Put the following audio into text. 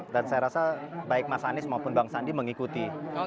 dan saya rasa baik mas anies maupun bang sandi mengikuti